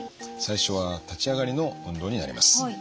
最初は立ち上がりの運動になります。